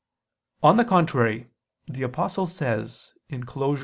On the contrary, The Apostle says (Col.